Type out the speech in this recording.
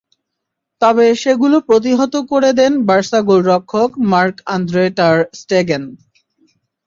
তবে সেগুলো প্রতিহিত করে দেন বার্সা গোলরক্ষক মার্ক আন্দ্রে টার স্টেগেন।